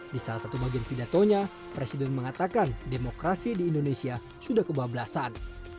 di salah satu bagian pidatonya presiden mengatakan demokrasi di indonesia sudah kebablasan